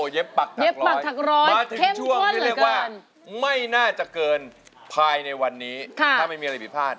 ร้อนมาถึงช่วงที่เรียกว่าไม่น่าจะเกินภายในวันนี้ถ้าไม่มีอะไรผิดพลาด